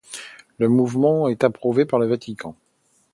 Le mouvement est approuvé par le Vatican.